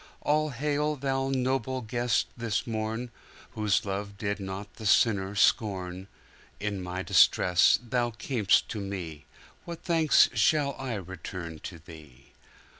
All hail, Thou noble Guest, this morn, Whose love did not the sinner scorn! In my distress Thou cam'st to me:What thanks shall I return to Thee?